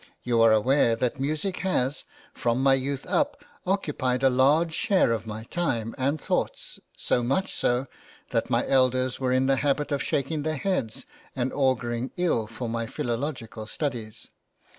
You are aware that music has, from my youth up, occupied a large share of my time and thoughts, so much so, that my elders were in the habit of shaking their heads and auguring ill for my philological studies.